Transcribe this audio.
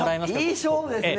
いい勝負ですね。